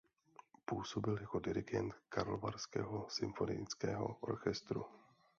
Působil jako dirigent Karlovarského symfonického orchestru.